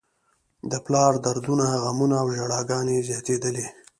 د پلار دردونه، غمونه او ژړاګانې یې زياتېدلې.